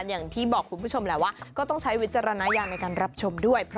อย่างที่บอกคุณผู้ชมแหละว่าก็ต้องใช้วิจารณญาณในการรับชมด้วย